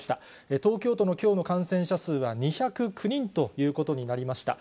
東京都のきょうの感染者数は２０９人ということになりました。